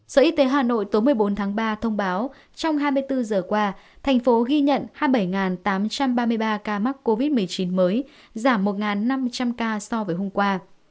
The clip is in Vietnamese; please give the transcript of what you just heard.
sở y tế hà nội tối một mươi bốn tháng ba thông báo trong hai mươi bốn giờ qua thành phố ghi nhận hai mươi bảy tám trăm ba mươi ba ca mắc covid một mươi chín mới giảm một năm trăm linh ca so với hôm qua